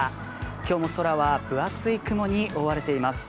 今日も空は分厚い雲に覆われています。